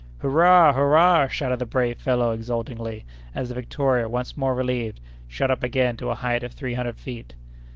"Hurrah! hurrah!" shouted the brave fellow exultingly, as the Victoria, once more relieved, shot up again to a height of three hundred feet.